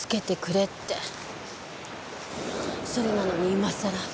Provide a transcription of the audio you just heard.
それなのに今さら。